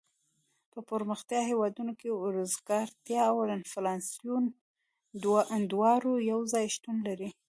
په پرمختیایي هېوادونو کې اوزګارتیا او انفلاسیون دواړه یو ځای شتون لري.